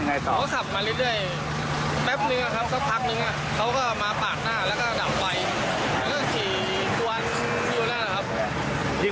เขาก็ขับมาเรื่อยแป๊บนึงครับซักพักนึง